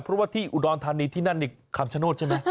เพราะว่าที่อุดรธานีที่นั่นนี่คำชโนธใช่ไหม